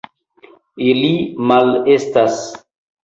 Ili malestas.